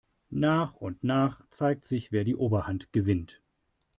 Nach und nach zeigt sich, wer die Oberhand gewinnt.